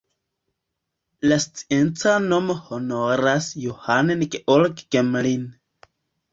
La scienca nomo honoras Johann Georg Gmelin.